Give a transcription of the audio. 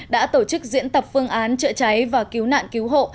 đã tổ chức diễn tập phương án chữa cháy và cứu nạn cứu hộ